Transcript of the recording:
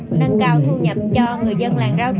nâng cao thu nhập cho người dân